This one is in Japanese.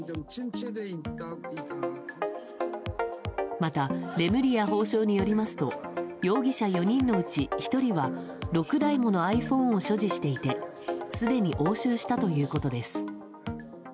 またレムリヤ法相によりますと容疑者４人のうち１人は６台ものｉＰｈｏｎｅを所持していてすでに押収したということです。